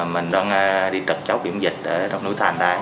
mình đang đi trật chốt kiểm dịch ở đồng nữ thành đây